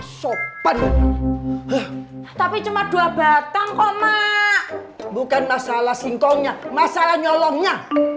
sopan tapi cuma dua batang oma bukan masalah singkongnya masalah nyolongnya